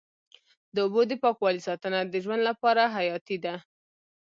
د اوبو د پاکوالي ساتنه د ژوند لپاره حیاتي ده.